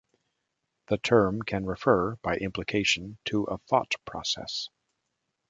The term can refer, by implication, to a thought process.